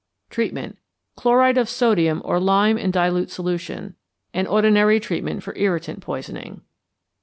Treatment. Chloride of sodium or lime in dilute solution, and ordinary treatment for irritant poisoning.